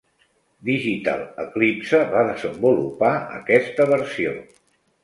Digital Eclipse va desenvolupar aquesta versió.